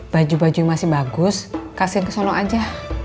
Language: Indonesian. baju baju yang masih bagus kasihin ke solo aja